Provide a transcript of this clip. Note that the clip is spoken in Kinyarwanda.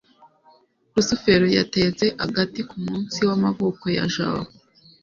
rusufero yatetse agati kumunsi w'amavuko ya jabo